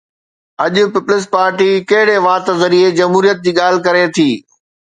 اڄ پيپلز پارٽي ڪهڙي وات ذريعي جمهوريت جي ڳالهه ڪري ٿي؟